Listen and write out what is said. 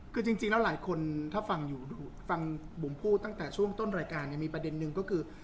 คือจริงแล้วหลายคนถ้าฟังอยู่ฟังบุ๋มพูดตั้งแต่ช่วงต้นรายการเนี่ยมีประเด็นนึงก็คือ